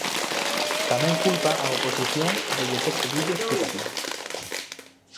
Tamén culpa á oposición de lle ter pedido explicacións.